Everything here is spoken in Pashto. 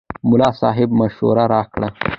ملا صاحب مشوره راکړه.